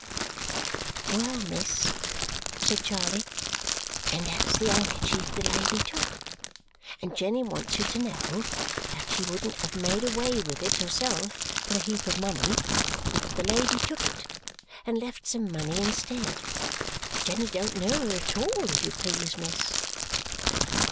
"Well, miss," said Charley, "and that's the handkerchief the lady took. And Jenny wants you to know that she wouldn't have made away with it herself for a heap of money but that the lady took it and left some money instead. Jenny don't know her at all, if you please, miss!"